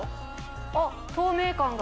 あっ、透明感が。